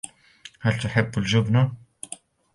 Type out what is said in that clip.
هل تحب الجبنة؟